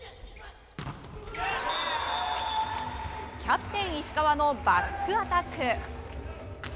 キャプテン石川のバックアタック。